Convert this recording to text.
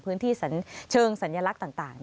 พื้นที่เชิงสัญลักษณ์ต่าง